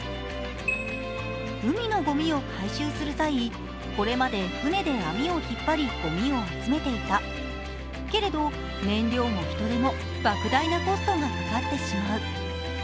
海のごみを回収する際、これまで船で網を引っ張りごみを集めていた、けれど燃料も人手もばく大なコストがかかってしまう。